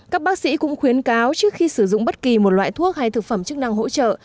các bác sĩ cũng khuyến cáo trước khi sử dụng bất kỳ một loại thuốc hay thực phẩm chức năng hỗ trợ